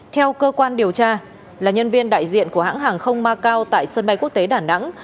theo cơ quan điều tra là nhân viên đại diện của hãng hàng không macau tại sân bay quốc tế đà nẵng